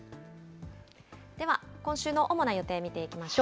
では、今週の主な予定見ていきましょう。